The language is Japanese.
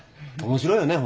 面白いよね